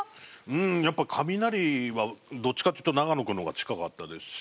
うんやっぱりカミナリはどっちかっていうと永野君の方が近かったですし。